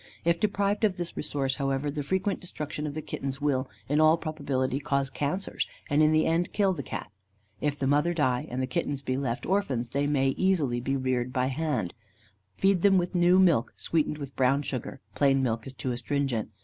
If deprived of this resource, however, the frequent destruction of the kittens will, in all probability, cause cancers, and in the end kill the Cat. If the mother die, and the kittens be left orphans, they may be easily reared by hand. Feed them with new milk, sweetened with brown sugar plain milk is too astringent.